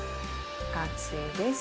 完成です。